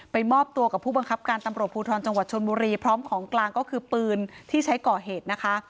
มอบตัวกับผู้บังคับการตำรวจภูทรจังหวัดชนบุรีพร้อมของกลางก็คือปืนที่ใช้ก่อเหตุนะคะ